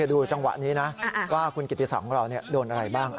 ดูจังหวะนี้นะว่าคุณกิติศักดิ์ของเราโดนอะไรบ้าง